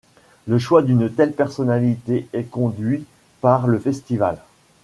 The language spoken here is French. Le choix d'une telle personnalité est conduit par le Festival.